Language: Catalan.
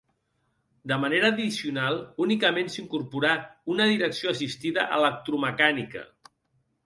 De manera addicional únicament s'incorporà una direcció assistida electromecànica.